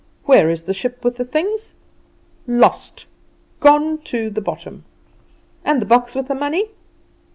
Where is the ship with the things? Lost gone to the bottom! And the box with the money?